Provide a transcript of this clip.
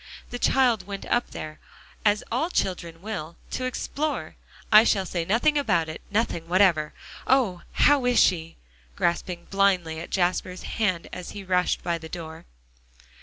"The child went up there, as all children will, to explore. I shall say nothing about it nothing whatever. Oh! how is she?" grasping blindly at Jasper as he rushed by the door.